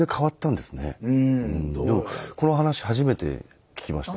でもこの話初めて聞きました。